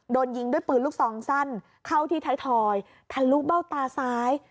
โดนยิงด้วยปืนลูกซองสั้นเข้าที่ไทยทอยทะลุเบ้าตาซ้าย